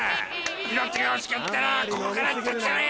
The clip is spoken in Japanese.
「命が欲しかったらここから立ち去れ！」